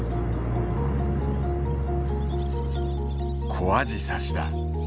コアジサシだ。